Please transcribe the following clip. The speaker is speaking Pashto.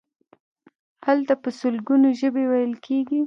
هلته په سلګونو ژبې ویل کیږي.